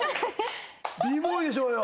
Ｂボーイでしょうよ。